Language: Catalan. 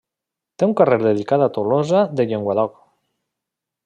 Té un carrer dedicat a Tolosa de Llenguadoc.